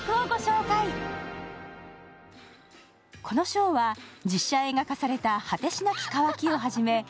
この賞は実写映画化された「果てしなき渇き」をはじめ